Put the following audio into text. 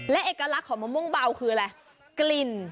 และเอกลักษณ์ของมะโม่งเบาคืออะไร